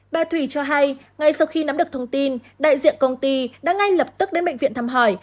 bà thủy cho hay ngay sau khi nắm được thông tin đại diện công ty đã ngay lập tức đến bệnh viện thăm hỏi